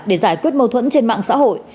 để giải quyết mâu thuẫn trên mạng xã hội